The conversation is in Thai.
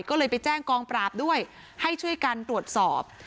ก็เลยไปแจ้งกองปราบด้วยให้ช่วยกันตรวจสอบ